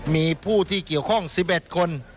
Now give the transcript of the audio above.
มีผู้ที่เกี่ยวข้องสิบเอ็ดคน